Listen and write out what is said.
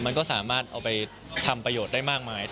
มันก็สามารถเอาไปทำประโยชน์ได้มากมาย